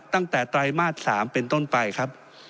ตั้งแต่ไตรมาส๓เป็นต้นไปครับ